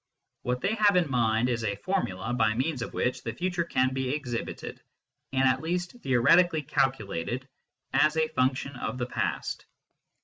What they have in mind is a formula by means of which the future can be exhibited, and at least theoretically calcu lated, as a function of the past.